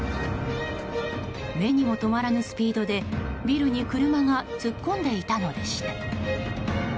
目にも留まらぬスピードでビルに車が突っ込んでいたのでした。